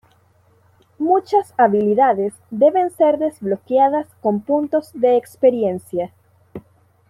Muchas habilidades deben ser desbloqueadas con puntos de experiencia.